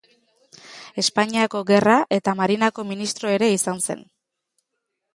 Espainiako Gerra eta Marinako ministro ere izan zen.